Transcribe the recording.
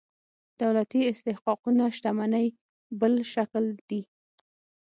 دولتي استحقاقونه شتمنۍ بل شکل دي.